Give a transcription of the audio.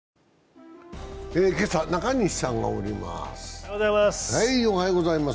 今朝、中西さんがおります。